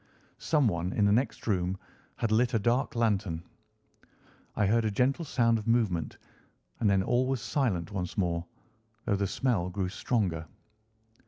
Someone in the next room had lit a dark lantern. I heard a gentle sound of movement, and then all was silent once more, though the smell grew stronger.